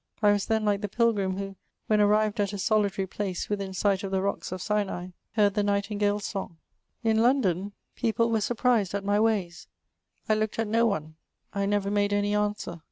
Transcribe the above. I was then like the pilg^m^ who, whtsi arrived at a sectary place within sight of the rocks of Sinai, heard the ni^tingale's song. In London people were surprised at my ways. I looked at no one — I never made any answer.